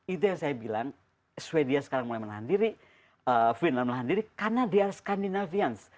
itu yang saya bilang sweden sekarang mulai melahan diri finland mulai melahan diri karena they are scandinavians